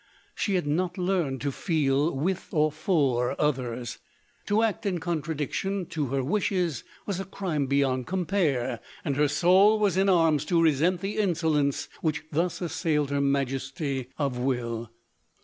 She had not learned to feel with or for others. To act in contradiction to her wishes was a crime beyond compare, and hei soul was in arms to resent the insolence which thus assailed her majesty of will.